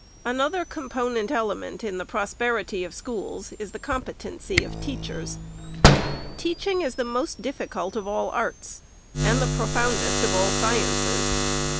Another component element in the pros perity of schools is the competency of teachers. Teach ing is the most difficult of all arts, and the profoundest 420 THE SECRETARY'S of all sciences.